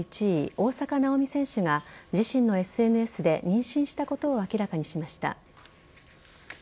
大坂なおみ選手が自身のＳＮＳで妊娠したことを明らかにしました。